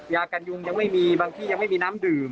ยากันยุงยังไม่มีบางที่ยังไม่มีน้ำดื่ม